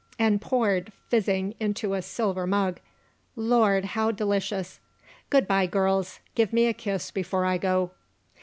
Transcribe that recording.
and poured, fizzing, into a silver mug. Lord, how delicious! Good bye, girls. Give me a kiss before I go."